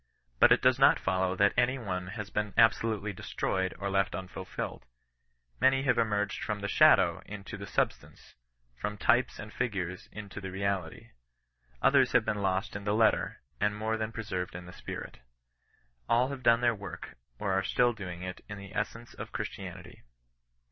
But it does not foUow that any one has been absolutely destroyed or left nnfvlfUed, Many have emerged from the shadow into the substance, from types Kndfyures into the reality. Others have been lost in the letter, and more than preserved in the ^irit. All have d3 30 OHBISTIAN N0N 9ESI8TANCE. done their work, or are still doing it in the essence of Christianity.